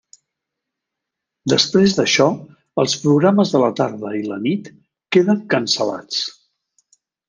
Després d'això, els programes de la tarda i la nit queden cancel·lats.